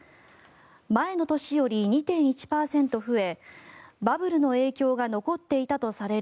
前の年より２．１％増えバブルの影響が残っていたとされる